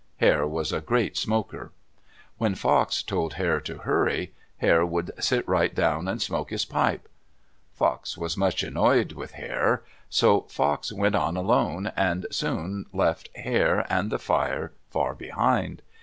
Hare was a great smoker. When Fox told Hare to hurry, Hare would sit right down and smoke his pipe. Fox was much annoyed with Hare. So Fox went on alone and soon left Hare and the fire far behind.